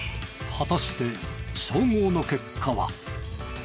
果たして照合の結果は。